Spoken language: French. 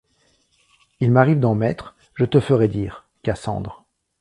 Il m’arrive d’en mettre, je te ferais dire, Cassandre.